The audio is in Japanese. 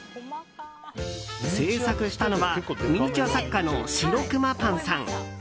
制作したのは、ミニチュア作家のしろくまパンさん。